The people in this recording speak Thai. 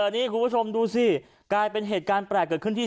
นี่คุณผู้ชมดูสิกลายเป็นเหตุการณ์แปลกเกิดขึ้นที่